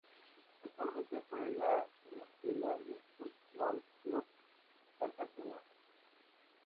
Actualmente juega en las filas del Fútbol Club Cartagena.